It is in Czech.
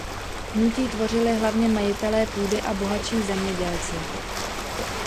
Hnutí tvořili hlavně majitelé půdy a bohatší zemědělci.